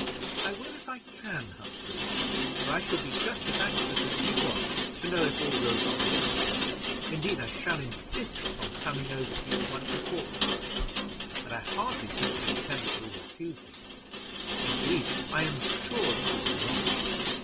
"I will if I can, Humphrey, for I shall be just as anxious as you are to know if all goes on well. Indeed, I shall insist upon coming over to you once a fortnight; and I hardly think the intendant will refuse me indeed, I am sure that he will not."